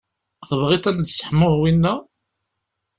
Tebɣiḍ ad m-d-sseḥmuɣ winna?